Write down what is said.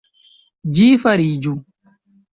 Ĝi fariĝu!